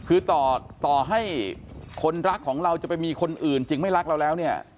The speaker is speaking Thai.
คือต่อให้คนรักของเราจะไปมีคนอื่นจริงไม่รักเราแล้วเนี่ย